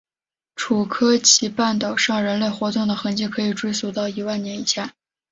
楚科奇半岛上人类活动的痕迹可以追溯到一万年以前。